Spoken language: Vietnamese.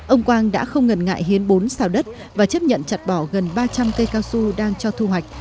ông quang đã không ngần ngại hiến bốn xào đất và chấp nhận chặt bỏ gần ba trăm linh cây cao su đang cho thu hoạch